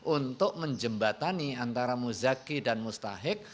untuk menjembatani antara muzaki dan mustahik